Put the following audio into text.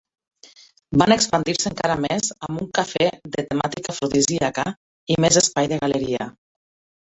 Van expandir-se encara més amb un cafè de temàtica afrodisíaca i més espai de galeria.